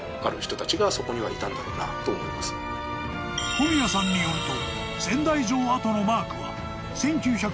［小宮さんによると］